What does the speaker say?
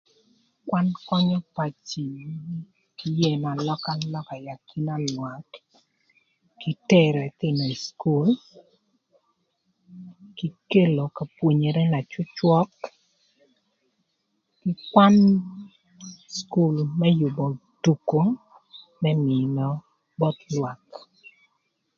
Kwan könyo paci ëka kelo alökalöka akina lwak, kï tero ëthïnö ï cukul, kï kelo ka pwonyere na cwöcwök, kwan könyö cukul më yübö tuko më mïnö both lwak